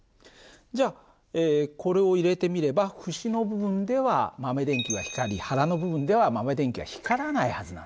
じゃあこれを入れてみれば節の部分では豆電球は光り腹の部分では豆電球は光らないはずなんだね。